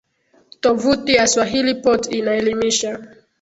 Tovuti ya swahilipot inaelimisha